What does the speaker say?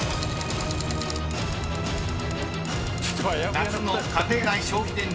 ［夏の家庭内消費電力］